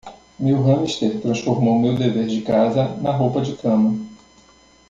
Meu hamster transformou meu dever de casa na roupa de cama.